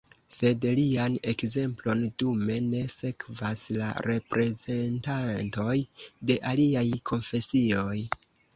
Sed lian ekzemplon dume ne sekvas la reprezentantoj de aliaj konfesioj.